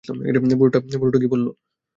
বুড়োটা কী বললো?